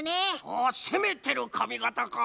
ああせめてるかみがたか。